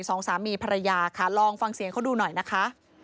สองสามีภรรยาค่ะลองฟังเสียงเขาดูหน่อยนะคะ